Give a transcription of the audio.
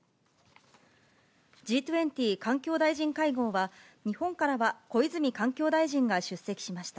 Ｇ２０環境大臣会合は、日本からは小泉環境大臣が出席しました。